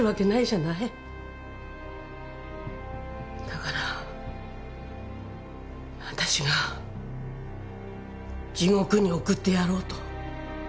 だから私が地獄に送ってやろうと。